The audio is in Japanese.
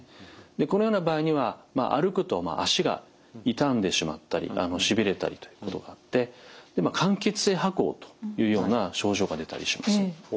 このような場合には歩くと足が痛んでしまったりしびれたりということがあって間欠性跛行というような症状が出たりします。